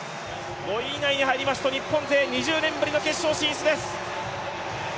５位以内に入りますと日本勢２０年ぶりの決勝進出です。